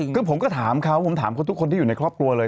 คือผมก็ถามเขาผมถามเขาทุกคนที่อยู่ในครอบครัวเลย